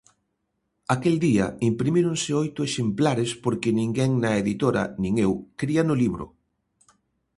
Aquel día imprimíronse oito exemplares porque ninguén na editora, nin eu, cría no libro.